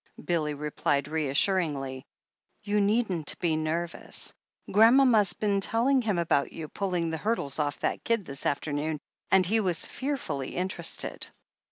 Billy replied reas suringly, "You needn't be nervous. Grandmama's been telling him about you pulling the hurdles off that kid this afternoon, and he was fearfully interested."